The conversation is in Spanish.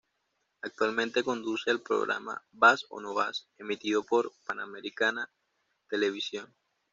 Actualmente conduce el programa "Vas o no vas", emitido por Panamericana Televisión.